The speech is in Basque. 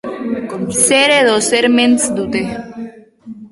Zer edo zer ments dute.